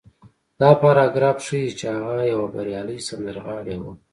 دا پاراګراف ښيي چې هغه يوه بريالۍ سندرغاړې وه.